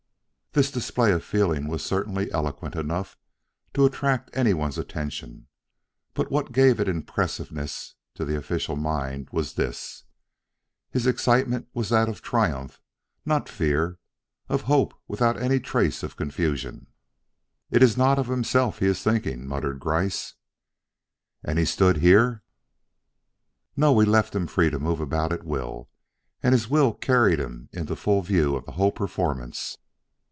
This display of feeling was certainly eloquent enough to attract anyone's attention, but what gave it impressiveness to the official mind was this: his excitement was that of triumph, not fear, of hope without any trace of confusion. "It is not of himself he is thinking," muttered Gryce. "And he stood here?" "No we left him free to move about at will, and his will carried him into full view of the whole performance."